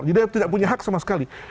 jadi tidak punya hak sama sekali